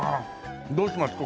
どうしますか？